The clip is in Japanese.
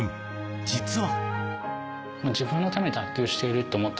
実は。